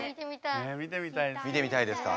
見てみたいですか？